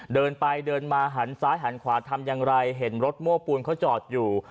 เดินไปเดินมาหันซ้ายหันขวาทำอย่างไรเห็นรถโม้ปูนเขาจอดอยู่